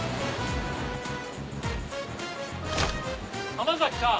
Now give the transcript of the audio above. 浜崎さん！